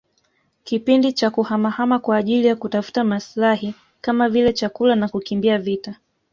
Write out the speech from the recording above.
kipindi cha kuhamahama kwa ajili ya kutafuta maslahi kama vile chakula na kukimbia vita